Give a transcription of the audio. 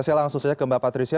saya langsung saja ke mbak patricia